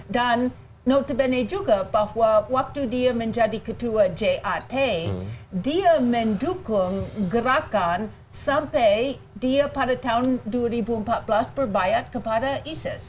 notabene juga bahwa waktu dia menjadi ketua jat dia mendukung gerakan sampai dia pada tahun dua ribu empat belas berbayat kepada isis